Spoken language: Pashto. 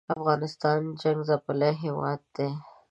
افغانستان جنګ څپلی هېواد دی